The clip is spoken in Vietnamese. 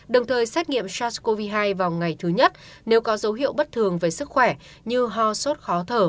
đồng thời xét nghiệm sars cov hai vào ngày thứ nhất nếu có dấu hiệu bất thường về sức khỏe như ho sốt khó thở